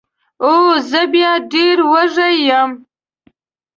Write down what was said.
او زه بیا ډېره وږې یم